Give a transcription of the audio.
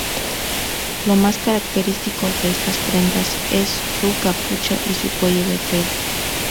Lo más característico de estas prendas es su capucha y su cuello de pelo.